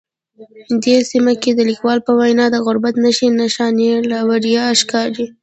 دې سیمه کې د لیکوال په وینا د غربت نښې نښانې له ورایه ښکاري